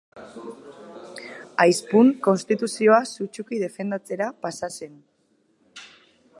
Aizpun konstituzioa sutsuki defendatzera pasa zen.